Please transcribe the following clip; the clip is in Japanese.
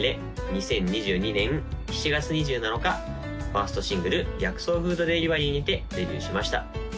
２０２２年７月２７日１ｓｔシングル「逆走フードデリバリー」にてデビューしました